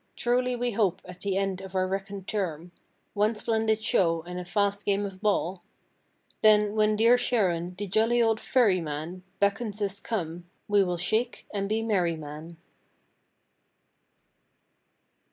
Truly we hope at the end of our reckoned term— One splendid show and a fast game of ball— Then, when dear Charon, the jolly old ferry man— Beckons us come, we will shake and be merry man.